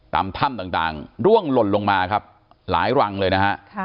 ตามถ้ำต่างร่วงหล่นลงมาครับหลายรังเลยนะฮะ